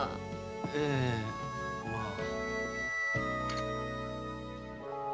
ええまあ。